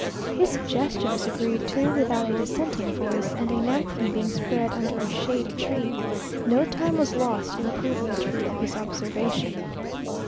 His suggestion was agreed to without a dissenting voice, and a napkin being spread under a shady tree, no time was lost in proving the truth of his observation.